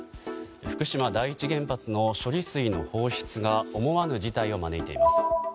福島第一原発の処理水の放出が思わぬ事態を招いています。